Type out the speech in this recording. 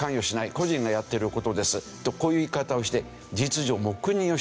個人がやってる事ですとこういう言い方をして事実上黙認をしている。